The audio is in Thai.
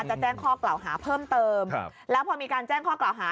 จะแจ้งข้อกล่าวหาเพิ่มเติมครับแล้วพอมีการแจ้งข้อกล่าวหา